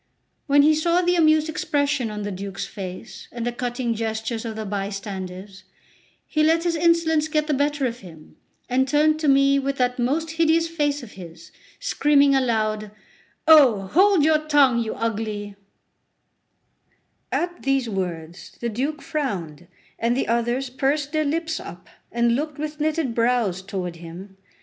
When he saw the amused expression on the Duke's face and the cutting gestures of the bystanders, he let his insolence get the better of him, and turned to me with that most hideous face of his, screaming aloud: "Oh, hold your tongue, you ugly…" At these words the Duke frowned, and the others pursed their lips up and looked with knitted grows toward him.